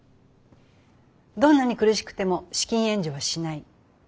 どんなに苦しくても資金援助はしない。